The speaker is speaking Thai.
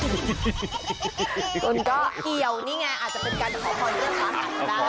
กลุ่มเกี่ยวนี่ไงอาจจะเป็นการขอค้าด้วยส่วนตา